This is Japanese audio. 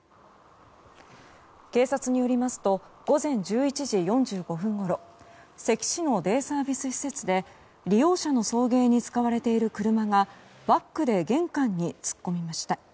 警察によりますと午前１１時４５分ごろ関市のデイサービス施設で利用者の送迎に使われている車がバックで玄関に突っ込みました。